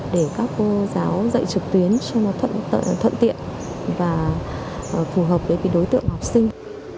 để các cô giáo dạy trực tuyến cho nó thuận tiện và phù hợp với đối tượng học sinh